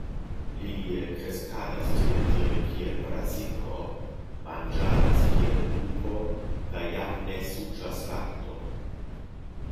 Li kreskadas tieldire kiel brasiko, manĝadas kiel lupo, kaj jam ne suĉas lakton.